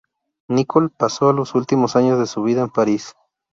Nicole paso los últimos años de su vida en París.